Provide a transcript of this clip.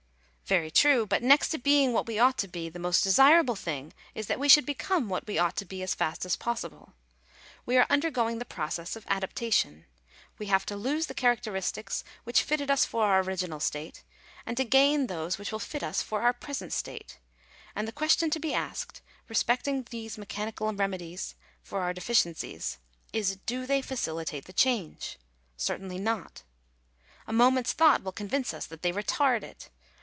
Very true; but next to being what we ought to be, i the most desirable thing is that we should become what we J ought to be as fast as possible. We are undergoing the process of adaptation. We have to lose the characteristics which/ fitted us for our original state, and to gain those which will fitj us for our present state ; and the question to be asked, respect ) ing these mechanical remedies for our deficiencies, is — do theyj facilitate the change? Certainly not. A moment's thought] will convince us that they retard it.